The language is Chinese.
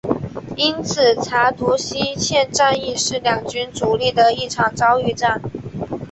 因此查图西茨战役是两军主力的一场遭遇战。